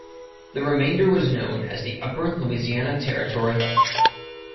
The remainder was known as the Upper Louisiana Territory.